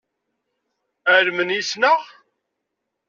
Ԑelmen yess-neɣ?